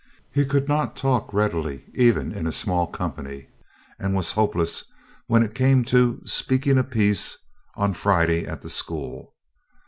He could not talk readily, even in a small company, and was hopeless when it came to "speaking a piece" on Friday at the school.